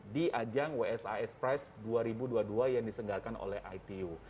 di ajang wsis prize dua ribu dua puluh dua yang disenggalkan oleh itu